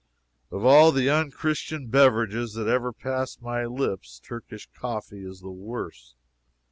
Of all the unchristian beverages that ever passed my lips, Turkish coffee is the worst.